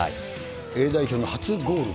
Ａ代表の初ゴール？